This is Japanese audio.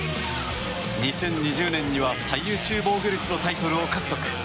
２０２０年には最優秀防御率のタイトルを獲得。